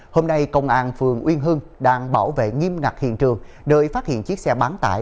hôm nay công an phường uyên hưng đang bảo vệ nghiêm ngặt hiện trường nơi phát hiện chiếc xe bán tải